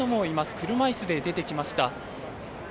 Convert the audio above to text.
車椅子で出てきました。